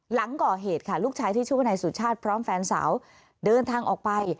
หลังก่อเหตุค่ะลูกชายที่ชื่อว่านายสุชาติพร้อมแฟนสาวเดินทางออกไป